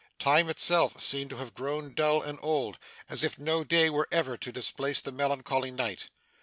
Time itself seemed to have grown dull and old, as if no day were ever to displace the melancholy night.